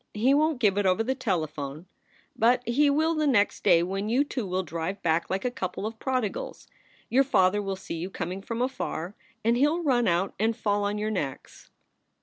He won t give it over the telephone, but he will the next day when you two will drive back like a couple of prodigals. Your father will see you coming from afar, and he ll run out and fall on your necks.